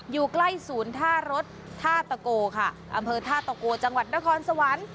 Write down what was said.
อยู่ใกล้ศูนย์ท่ารถท่าตะโกค่ะอำเภอท่าตะโกจังหวัดนครสวรรค์